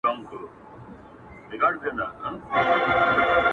کلي ودان کورونه!.